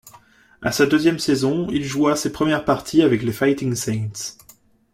À sa deuxième saison, il joua ses premières parties dans avec les Fighting Saints.